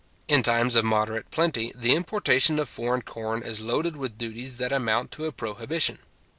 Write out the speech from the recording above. In times of moderate plenty, the importation of foreign corn is loaded with duties that amount to a prohibition.